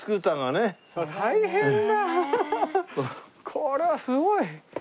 これはすごい。